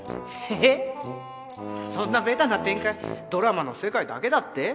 そんなベタな展開ドラマの世界だけだって？